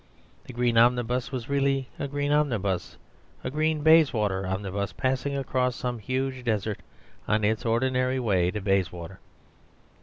The green omnibus was really a green omnibus, a green Bayswater omnibus, passing across some huge desert on its ordinary way to Bayswater.